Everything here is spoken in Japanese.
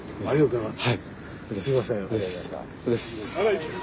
ありがとうございます。